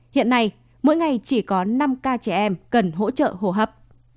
hiện nay mỗi ngày chỉ có năm ca trẻ em cần hỗ trợ hồ hấp